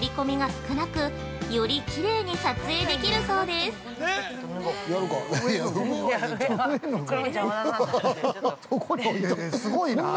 すごいな。